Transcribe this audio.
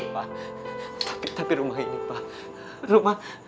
pak tapi rumah ini pak rumah